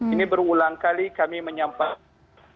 ini berulang kali kami menyampaikan